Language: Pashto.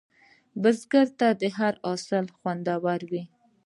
بزګر ته هره حاصل خوندور وي